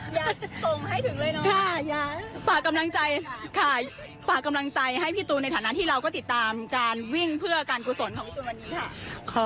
ส่งให้ถึงเลยเนาะฝากกำลังใจค่ะฝากกำลังใจให้พี่ตูนในฐานะที่เราก็ติดตามการวิ่งเพื่อการกุศลของพี่ตูนวันนี้ค่ะ